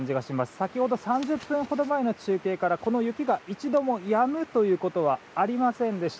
先ほど、３０分ほど前の中継からこの雪が一度もやむということはありませんでした。